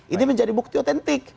ini menjadi bukti otentik